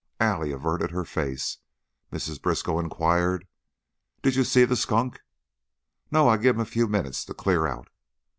Allie averted her face. Mrs. Briskow inquired, "Did you see the skunk?" "No. I give him a few minutes to clear out."